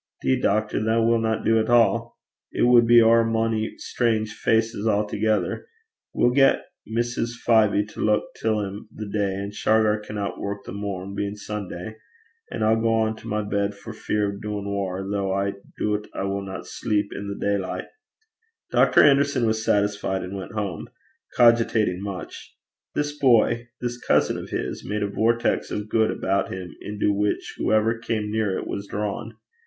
''Deed, doctor, that winna do at a'. It wad be ower mony strange faces a'thegither. We'll get Mistress Fyvie to luik till 'im the day, an' Shargar canna work the morn, bein' Sunday. An' I'll gang to my bed for fear o' doin' waur, though I doobt I winna sleep i' the daylicht.' Dr. Anderson was satisfied, and went home cogitating much. This boy, this cousin of his, made a vortex of good about him into which whoever came near it was drawn.